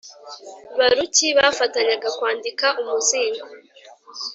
Baruki bafatanyaga kwandika umuzingo